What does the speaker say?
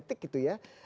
genetik gitu ya